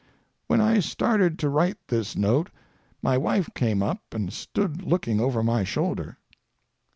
When I started to write this note my wife came up and stood looking over my shoulder.